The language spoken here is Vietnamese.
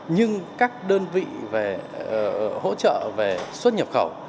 nhưng các đơn vị về hỗ trợ về xuất nhập khẩu